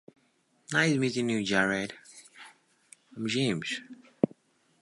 When it comes to describing you, words sometimes fall short, my friend.